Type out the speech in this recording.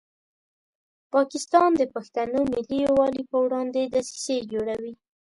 پاکستان د پښتنو ملي یووالي په وړاندې دسیسې جوړوي.